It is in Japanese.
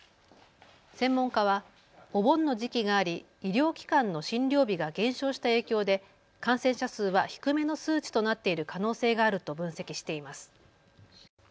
専門家はお盆の時期があり医療機関の診療日が減少した影響で感染者数は低めの数値となっている可能性があると分析しています。